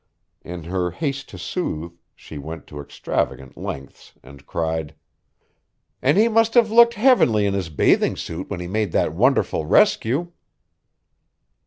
In her haste to soothe she went to extravagant lengths and cried: "And he must have looked heavenly in his bathing suit when he made that wonderful rescue."